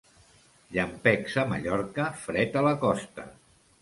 Llampecs a Mallorca, fred a la costa.